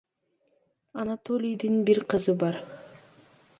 Анатолийдин бир кызы бар.